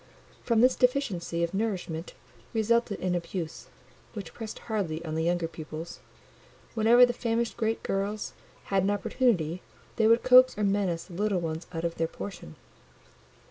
From this deficiency of nourishment resulted an abuse, which pressed hardly on the younger pupils: whenever the famished great girls had an opportunity, they would coax or menace the little ones out of their portion.